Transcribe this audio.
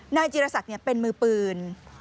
นายจิรษักรเป็นมือปืน